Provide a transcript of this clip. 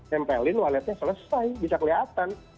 tempelin walletnya selesai bisa kelihatan